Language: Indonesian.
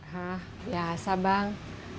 hah biasa bang